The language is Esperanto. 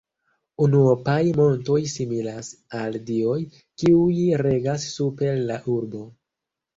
Unuopaj montoj similas al dioj, kiuj regas super la urbo.